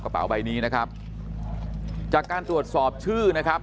กระเป๋าใบนี้นะครับจากการตรวจสอบชื่อนะครับ